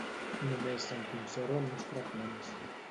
Només se'n conserven uns fragments.